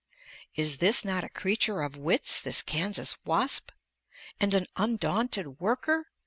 Is this not a creature of wits, this Kansas wasp? And an undaunted worker?